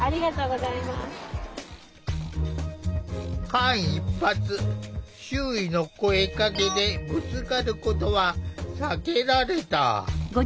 間一髪周囲の声かけでぶつかることは避けられた。